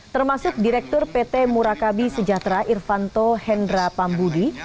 termasuk direktur pt murakabi sejahtera irvanto hendra pambudi